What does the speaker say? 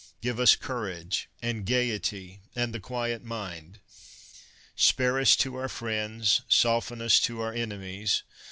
Give us courage and gaiety and the quiet mind. Spare us to our friends, soften us to our enemies.